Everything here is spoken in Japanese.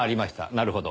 なるほど。